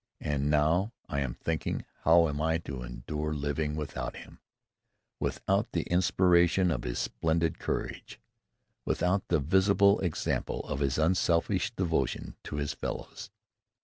And now I am thinking, how am I to endure living without him; without the inspiration of his splendid courage; without the visible example of his unselfish devotion to his fellows?